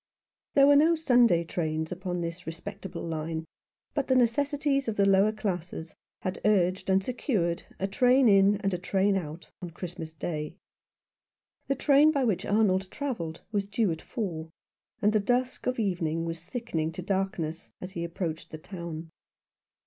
There were no Sunday trains upon this respectable line ; but the necessities of the lower classes had urged and secured a train in and a train out on Christmas Day. The train by which Arnold travelled was due at four, and the dusk of evening was thickening to darkness as he approached the town.